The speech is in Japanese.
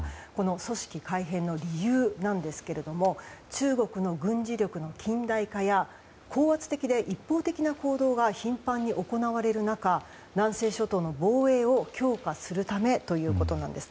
組織改編の理由なんですが中国の軍事力の近代化や高圧的で一方的な行動が頻繁に行われる中南西諸島の防衛を強化するためということなんです。